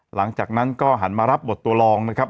หลังจากนั้นก็หันมารับบทตัวรองนะครับ